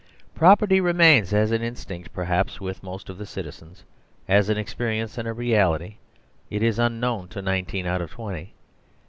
Property remains as an instinct perhaps with most of the citizens ; as an experience and a reality it is unknown to nineteen out of twenty.